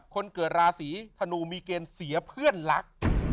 คนเกิดราศีธนูมีเกณฑ์เสียเพื่อนรัก